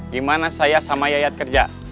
gimana saya sama yayat kerja